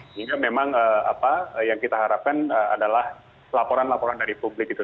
sehingga memang apa yang kita harapkan adalah laporan laporan dari publik gitu